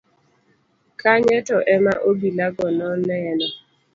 kanye to ema obila go noneno